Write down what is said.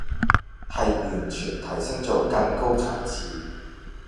係完全提升做更高層次